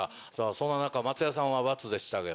そんな中松也さんは「×」でしたが。